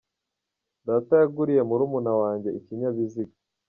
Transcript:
Data yaguriye murumuna wanjye ikinyabiziga.